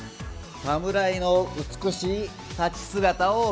侍の美しい立ち姿を目指す。